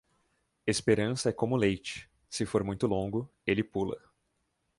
Esperança é como leite: se for muito longo, ele pula.